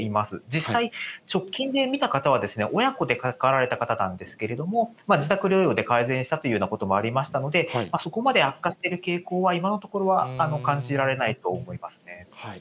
実際、直近で診た方は、親子でかかられた方なんですけれども、自宅療養で改善したというようなこともありましたので、そこまで悪化している傾向は、今のところは感じられないと思いますね。